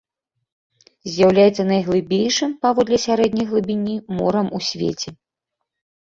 З'яўляецца найглыбейшым паводле сярэдняй глыбіні морам у свеце.